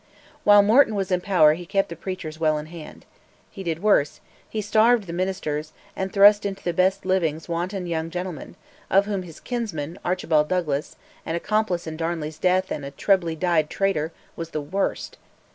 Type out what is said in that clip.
While Morton was in power he kept the preachers well in hand. He did worse: he starved the ministers, and thrust into the best livings wanton young gentlemen, of whom his kinsman, Archibald Douglas, an accomplice in Darnley's death and a trebly dyed traitor, was the worst.